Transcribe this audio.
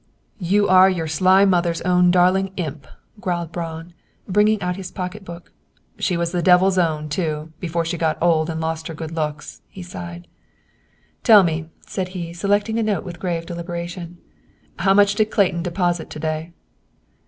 "You are your sly mother's own darling imp," growled Braun, bringing out his pocketbook. "She was the devil's own, too, before she got old and lost her good looks," he sighed. "Tell me," said he, selecting a note with grave deliberation, "how much did Clayton deposit to day?"